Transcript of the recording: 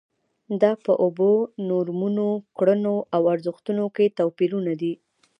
دا په اوبو، نورمونو، کړنو او ارزښتونو کې توپیرونه دي.